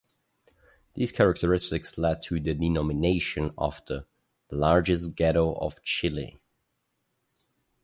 These characteristics led to the denomination of the "largest ghetto of Chile".